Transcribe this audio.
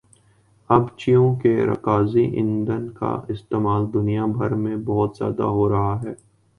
اب چونکہ رکازی ایندھن کا استعمال دنیا بھر میں بہت زیادہ ہورہا ہے